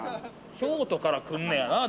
京都から来んのやな。